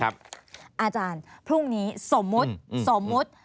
อาจารย์พรุ่งนี้สมมุติสมมุติ